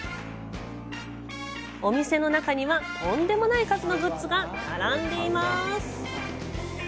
お店の中には、とんでもない数のグッズが並んでいます。